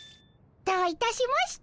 どういたしまして。